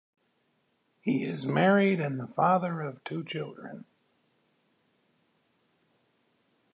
He is married and father of two children.